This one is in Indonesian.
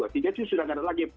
tidak ada lagi